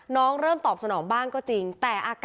ลองไปดูบรรยากาศช่วงนั้นนะคะ